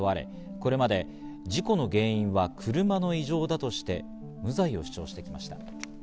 これまで事故の原因は車の異常だとして無罪を主張してきました。